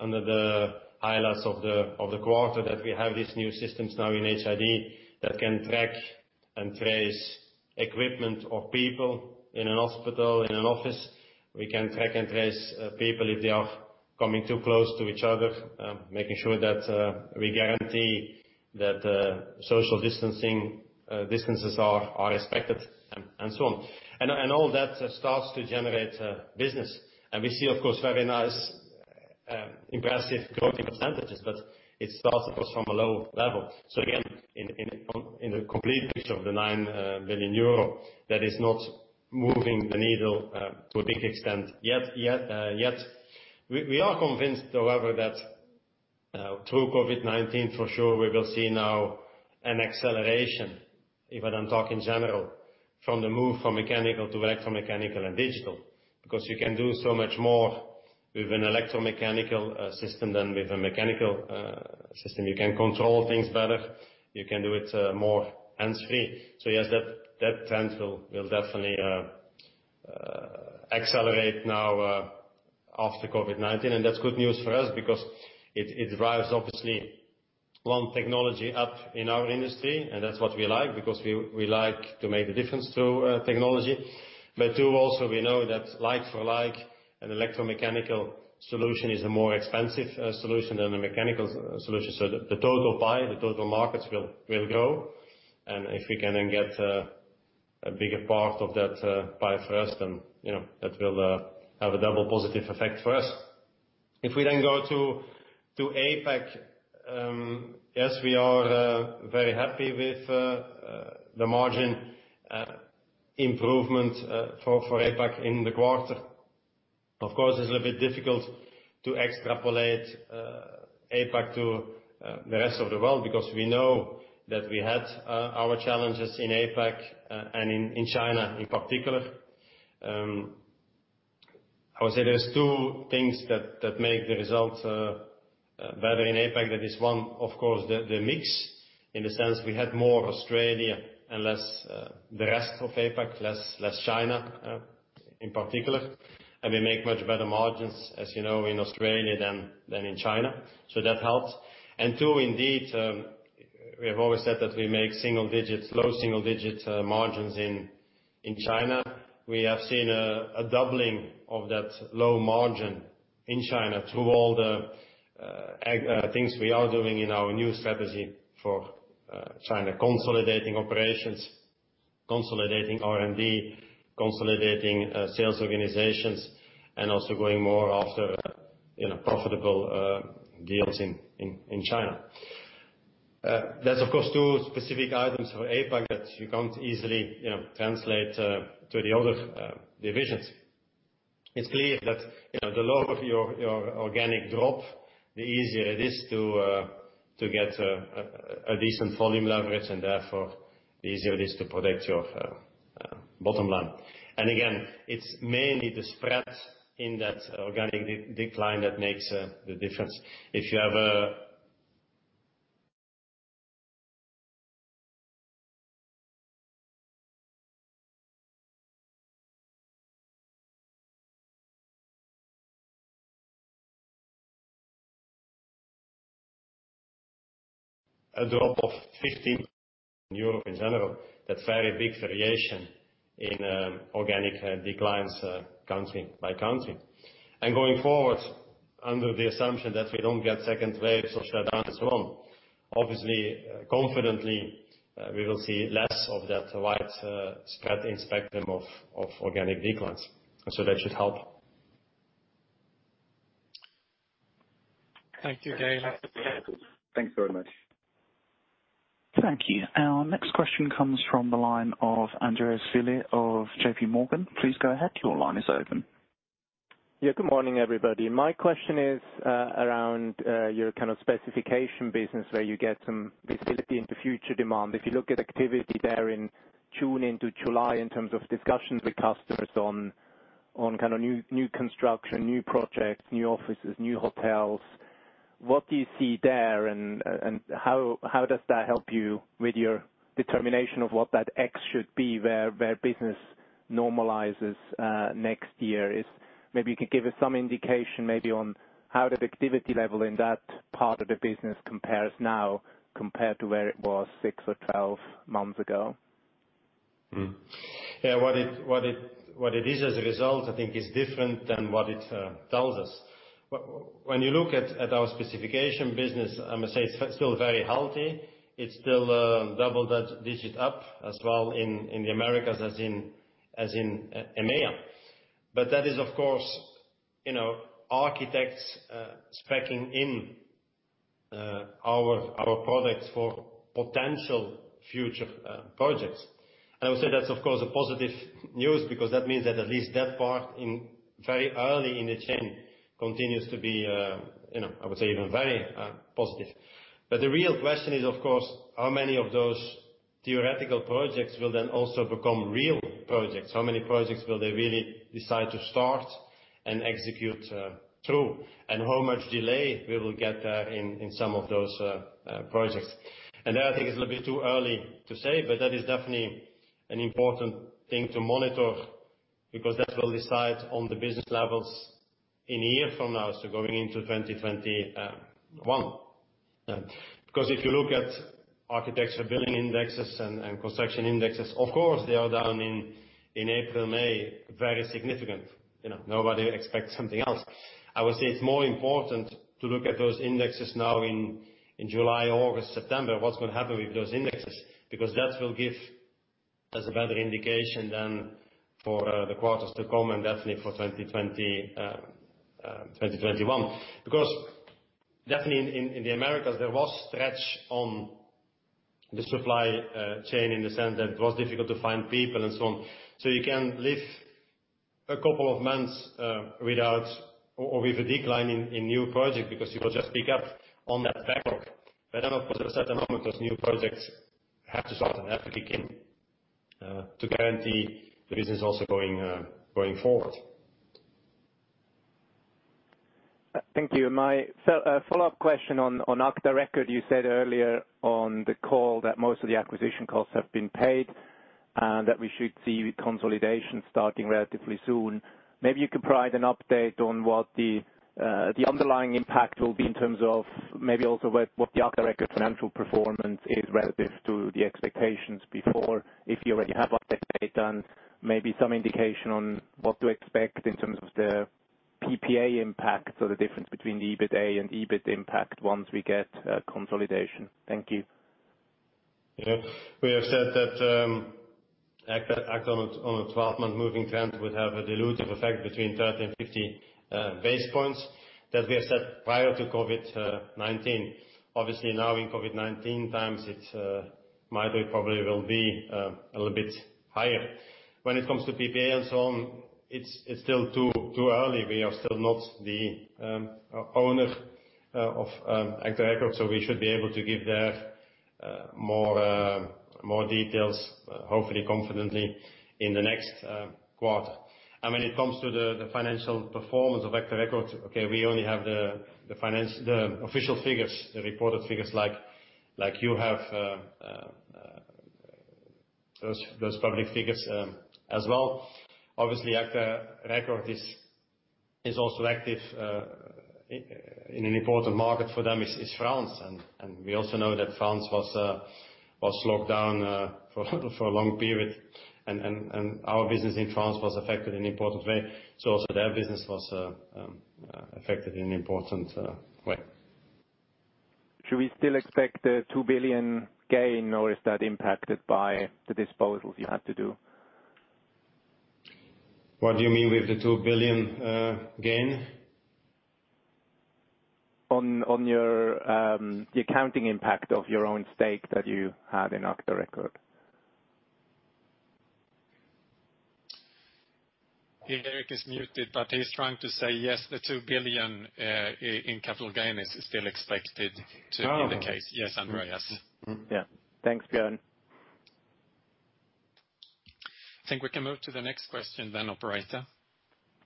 under the highlights of the quarter that we have these new systems now in HID that can track and trace equipment or people in a hospital, in an office. We can track and trace people if they are coming too close to each other, making sure that we guarantee that social distancing distances are respected and so on. All that starts to generate business. We see, of course, very nice impressive growth in %, but it starts, of course, from a low level. Again, in the complete picture of the 9 billion euro, that is not moving the needle to a big extent yet. We are convinced, however, that through COVID-19, for sure, we will see now an acceleration, if I don't talk in general, from the move from mechanical to electromechanical and digital, because you can do so much more with an electromechanical system than with a mechanical system. You can control things better. You can do it more hands-free. Yes, that trend will definitely accelerate now after COVID-19, and that's good news for us because it drives, obviously, one technology up in our industry, and that's what we like because we like to make a difference through technology. Two, also, we know that like for like, an electromechanical solution is a more expensive solution than a mechanical solution. The total pie, the total markets will grow. If we can get a bigger part of that pie for us, that will have a double positive effect for us. If we go to APAC, yes, we are very happy with the margin improvement for APAC in the quarter. Of course, it's a little bit difficult to extrapolate APAC to the rest of the world because we know that we had our challenges in APAC and in China in particular. I would say there's two things that make the results better in APAC. That is one, of course, the mix, in the sense we had more Australia and less the rest of APAC, less China in particular. We make much better margins, as you know, in Australia than in China. That helps. Two, indeed, we have always said that we make low single-digit margins in China. We have seen a doubling of that low margin in China through all the things we are doing in our new strategy for China, consolidating operations, consolidating R&D, consolidating sales organizations, and also going more after profitable deals in China. There's, of course, two specific items for APAC that you can't easily translate to the other divisions. It's clear that the lower your organic drop, the easier it is to get a decent volume leverage, and therefore, the easier it is to protect your bottom line. Again, it's mainly the spreads in that organic decline that makes the difference. If you have a drop of 15 in Europe in general, that's very big variation in organic declines country by country. Going forward. Under the assumption that we don't get second waves or shutdowns and so on. Confidently, we will see less of that widespread in spectrum of organic declines. That should help. Thank you, Gael. Thanks very much. Thank you. Our next question comes from the line of Andreas Willi of J.P. Morgan. Please go ahead. Your line is open. Good morning, everybody. My question is around your kind of specification business where you get some visibility into future demand. If you look at activity there in June into July in terms of discussions with customers on kind of new construction, new projects, new offices, new hotels, what do you see there and how does that help you with your determination of what that X should be where business normalizes next year is? Maybe you could give us some indication maybe on how the activity level in that part of the business compares now compared to where it was six or 12 months ago. Yeah. What it is as a result, I think is different than what it tells us. When you look at our specification business, I must say it is still very healthy. It is still double-digit up as well in the Americas as in EMEA. That is, of course, architects speccing in our products for potential future projects. I would say that is, of course, a positive news because that means that at least that part very early in the chain continues to be, I would say, even very positive. The real question is, of course, how many of those theoretical projects will then also become real projects? How many projects will they really decide to start and execute through, and how much delay we will get there in some of those projects. That I think is a little bit too early to say, but that is definitely an important thing to monitor because that will decide on the business levels in a year from now, so going into 2021. If you look at architecture building indexes and construction indexes, of course, they are down in April, May, very significant. Nobody would expect something else. I would say it's more important to look at those indexes now in July, August, September. What's going to happen with those indexes? That will give us a better indication than for the quarters to come and definitely for 2021. Definitely in the Americas, there was stretch on the supply chain in the sense that it was difficult to find people and so on. You can live a couple of months without or with a decline in new project because you will just pick up on that backlog. Of course, at a certain moment, those new projects have to start and have to kick in to guarantee the business also going forward. Thank you. My follow-up question on Agta record, you said earlier on the call that most of the acquisition costs have been paid and that we should see consolidation starting relatively soon. Maybe you could provide an update on what the underlying impact will be in terms of maybe also what the Agta record financial performance is relative to the expectations before, if you already have update data, and maybe some indication on what to expect in terms of the PPA impact. The difference between the EBITA and EBIT impact once we get consolidation. Thank you. We have said that Agta record on a 12-month moving trend would have a dilutive effect between 30 and 50 basis points that we have set prior to COVID-19. Obviously, now in COVID-19 times, it might probably will be a little bit higher. When it comes to PPA and so on, it's still too early. We are still not the owner of Agta record, we should be able to give there more details, hopefully, confidently in the next quarter. When it comes to the financial performance of Agta record, okay, we only have the official figures, the reported figures like you have, those public figures as well. Obviously, Agta record is also active in an important market for them is France. We also know that France was locked down for a long period, and our business in France was affected in an important way. Also, their business was affected in an important way. Should we still expect the 2 billion gain, or is that impacted by the disposals you had to do? What do you mean with the 2 billion gain? On the accounting impact of your own stake that you had in Agta record. Here, Erik is muted, but he's trying to say, yes, the 2 billion in capital gain is still expected to be the case. Oh. Yes, Andreas. Yeah. Thanks, Björn. I think we can move to the next question then, operator.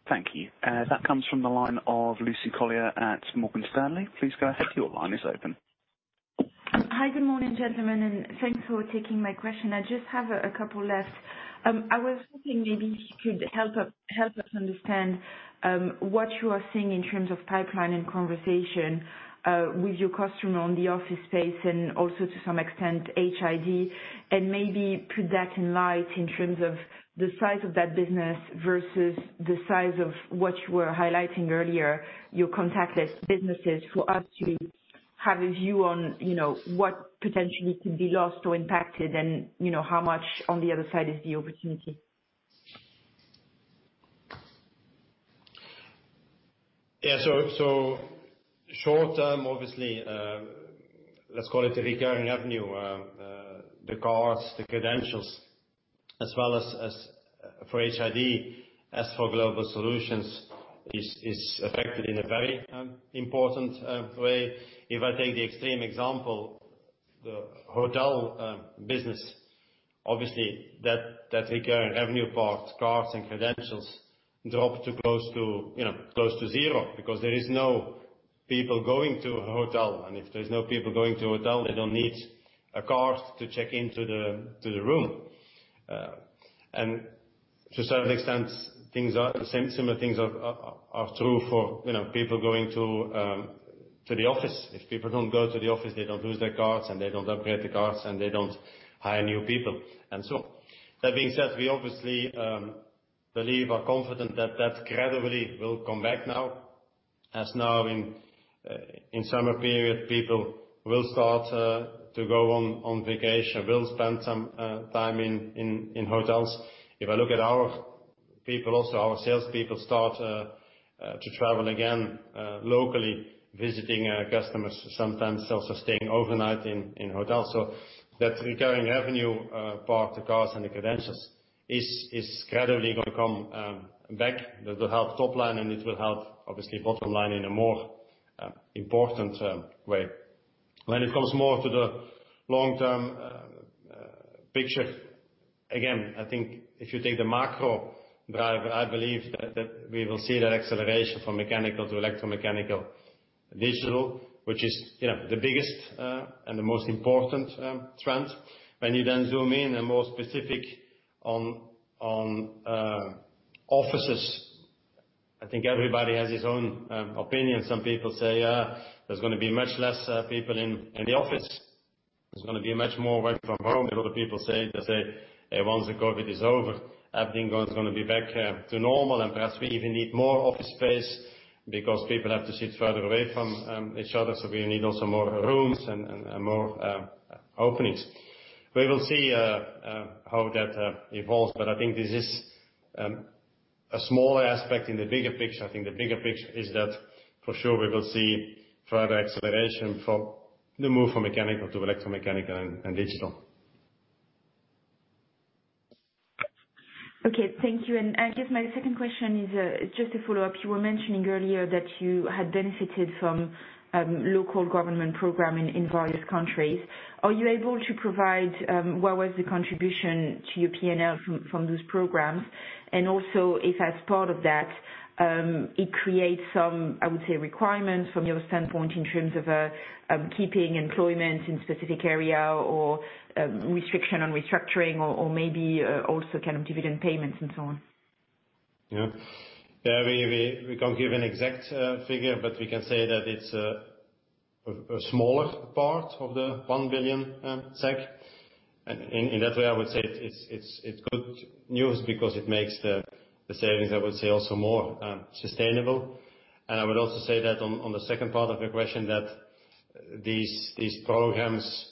Thank you. That comes from the line of Lucie Carrier at Morgan Stanley. Please go ahead. Your line is open. Hi. Good morning, gentlemen. Thanks for taking my question. I just have a couple left. I was hoping maybe you could help us understand what you are seeing in terms of pipeline and conversation with your customer on the office space and also to some extent, HID, and maybe put that in light in terms of the size of that business versus the size of what you were highlighting earlier, your contactless businesses for us to have a view on what potentially could be lost or impacted and how much on the other side is the opportunity? Short term, obviously, let's call it a recurring revenue, the cards, the credentials, as well as for HID, as for Global Solutions, is affected in a very important way. If I take the extreme example, the hotel business, obviously that recurring revenue part, cards and credentials dropped to close to zero because there is no people going to a hotel. If there's no people going to a hotel, they don't need a card to check into the room. To a certain extent, similar things are true for people going to the office. If people don't go to the office, they don't lose their cards, and they don't upgrade the cards, and they don't hire new people. That being said, we obviously believe are confident that that gradually will come back now, as now in summer period, people will start to go on vacation, will spend some time in hotels. If I look at our people also, our salespeople start to travel again locally, visiting customers, sometimes also staying overnight in hotels. That recurring revenue part, the cards and the credentials, is gradually going to come back. That will help top line, and it will help obviously bottom line in a more important way. When it comes more to the long-term picture, again, I think if you take the macro driver, I believe that we will see that acceleration from mechanical to electromechanical digital, which is the biggest and the most important trend. When you then zoom in and more specific on offices, I think everybody has his own opinion. Some people say, "Yeah, there's going to be much less people in the office. There's going to be a much more work from home." A lot of people say, "Once the COVID-19 is over, everything is going to be back to normal, and perhaps we even need more office space because people have to sit further away from each other. We need also more rooms and more openings." We will see how that evolves, but I think this is a small aspect in the bigger picture. I think the bigger picture is that for sure we will see further acceleration for the move from mechanical to electromechanical and digital. Okay. Thank you. I guess my second question is just a follow-up. You were mentioning earlier that you had benefited from local government program in various countries. Are you able to provide, what was the contribution to your P&L from those programs? Also if as part of that, it creates some, I would say, requirements from your standpoint in terms of keeping employment in specific area or restriction on restructuring or maybe also kind of dividend payments and so on. Yeah. We can't give an exact figure, but we can say that it's a smaller part of the 1 billion SEK. In that way, I would say it's good news because it makes the savings, I would say, also more sustainable. I would also say that on the second part of your question, that these programs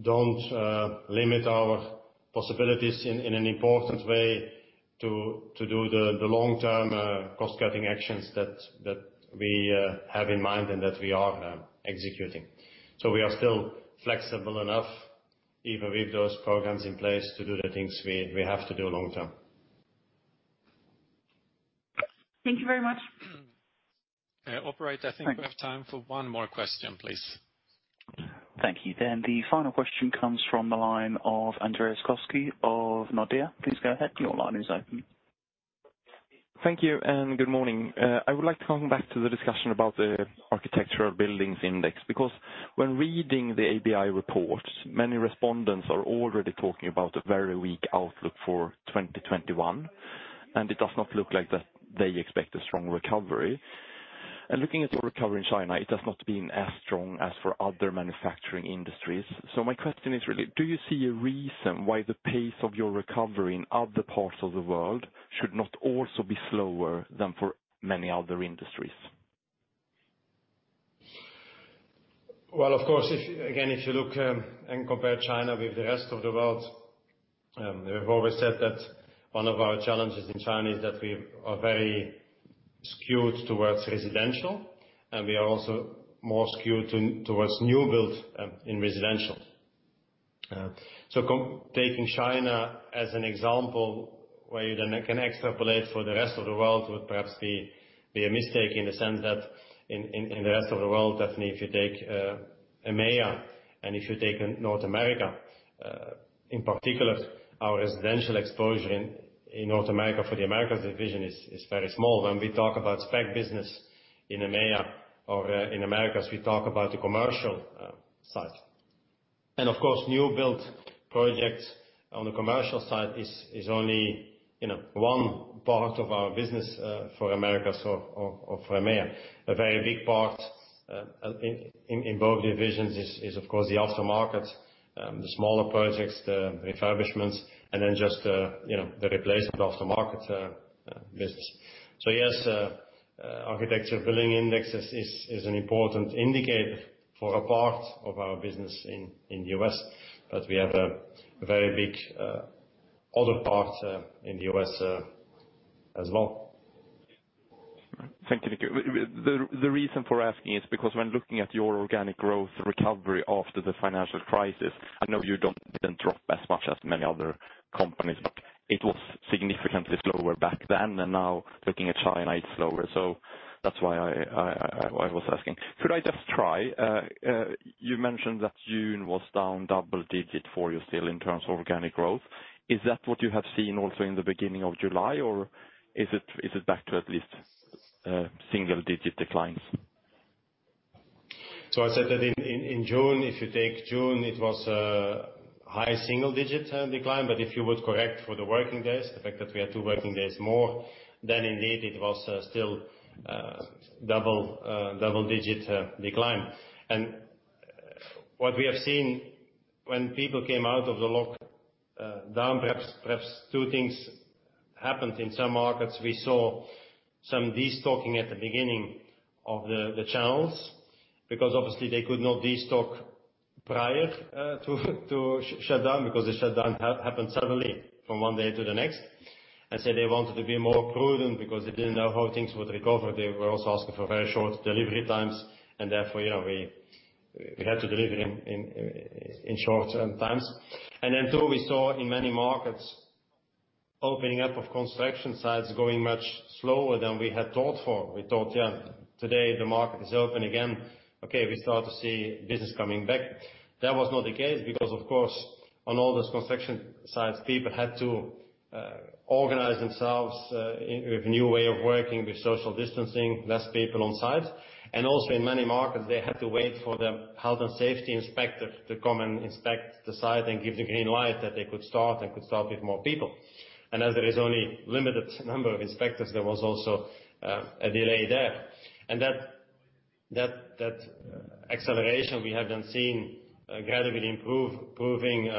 don't limit our possibilities in an important way to do the long-term cost-cutting actions that we have in mind and that we are executing. We are still flexible enough, even with those programs in place to do the things we have to do long term. Thank you very much. Operator, I think we have time for one more question, please. Thank you. The final question comes from the line of Andreas Koski of Nordea. Please go ahead. Your line is open. Thank you, and good morning. I would like to come back to the discussion about the Architectural Billings Index, because when reading the ABI report, many respondents are already talking about a very weak outlook for 2021, and it does not look like that they expect a strong recovery. Looking at the recovery in China, it has not been as strong as for other manufacturing industries. My question is really, do you see a reason why the pace of your recovery in other parts of the world should not also be slower than for many other industries? Well, of course, again, if you look and compare China with the rest of the world, we have always said that one of our challenges in China is that we are very skewed towards residential, and we are also more skewed towards new build in residential. Taking China as an example where you then can extrapolate for the rest of the world would perhaps be a mistake in the sense that in the rest of the world, definitely if you take EMEA and if you take North America, in particular, our residential exposure in North America for the Americas division is very small. When we talk about spec business in EMEA or in Americas, we talk about the commercial side. Of course, new build projects on the commercial side is only one part of our business for Americas or for EMEA. A very big part in both divisions is of course the aftermarket, the smaller projects, the refurbishments, and then just the replacement aftermarket business. Yes, Architecture Billing Index is an important indicator for a part of our business in the U.S., but we have a very big other part in the U.S. as well. Thank you, Nico. The reason for asking is because when looking at your organic growth recovery after the financial crisis, I know you didn't drop as much as many other companies, but it was significantly slower back then than now. Looking at China, it's slower. That's why I was asking. Could I just try? You mentioned that June was down double-digit for you still in terms of organic growth. Is that what you have seen also in the beginning of July, or is it back to at least single-digit declines? I said that in June, if you take June, it was a high single-digit decline. If you would correct for the working days, the fact that we had two working days more, then indeed it was still double-digit decline. What we have seen when people came out of the lockdown, perhaps two things happened in some markets. We saw some destocking at the beginning of the channels because obviously they could not destock prior to shutdown because the shutdown happened suddenly from one day to the next. They wanted to be more prudent because they didn't know how things would recover. They were also asking for very short delivery times, and therefore, we had to deliver in short times. Then two, we saw in many markets opening up of construction sites going much slower than we had thought for. We thought, yeah, today the market is open again. We start to see business coming back. That was not the case because, of course, on all those construction sites, people had to organize themselves with new way of working, with social distancing, less people on site. Also in many markets, they had to wait for the health and safety inspector to come and inspect the site and give the green light that they could start with more people. As there is only limited number of inspectors, there was also a delay there. That acceleration we have seen gradually improving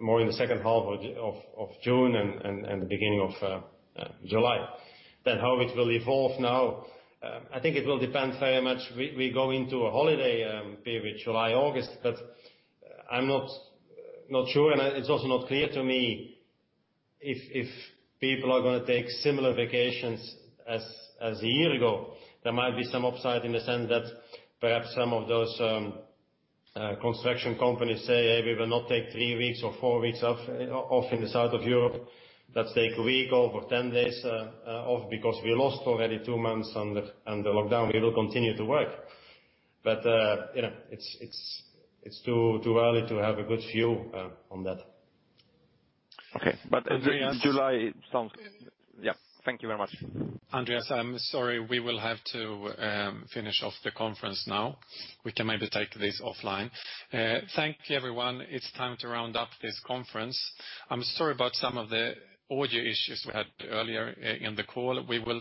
more in the second half of June and the beginning of July. How it will evolve now, I think it will depend very much. We go into a holiday period, July, August, but I'm not sure, and it's also not clear to me if people are going to take similar vacations as a year ago. There might be some upside in the sense that perhaps some of those construction companies say, "Hey, we will not take three weeks or four weeks off in the south of Europe. Let's take one week off or 10 days off because we lost already two months on the lockdown. We will continue to work." It's too early to have a good view on that. Okay. In July it sounds Yeah, thank you very much. Andreas, I'm sorry. We will have to finish off the conference now. We can maybe take this offline. Thank you, everyone. It's time to round up this conference. I'm sorry about some of the audio issues we had earlier in the call. We will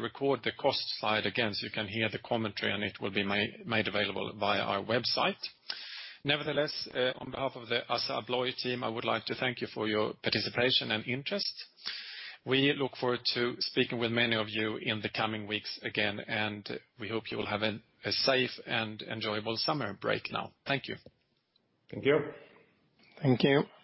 record the cost side again so you can hear the commentary, and it will be made available via our website. Nevertheless, on behalf of the Assa Abloy team, I would like to thank you for your participation and interest. We look forward to speaking with many of you in the coming weeks again, and we hope you will have a safe and enjoyable summer break now. Thank you. Thank you. Thank you.